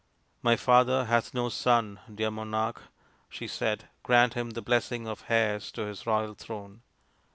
" My father hath no son, dear monarch," she said ;" grant him the blessing of heirs to his royal throne."